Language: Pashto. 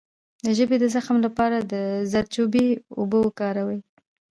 د ژبې د زخم لپاره د زردچوبې اوبه وکاروئ